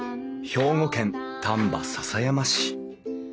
兵庫県丹波篠山市。